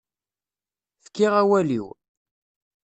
Fkiɣ awal-iw.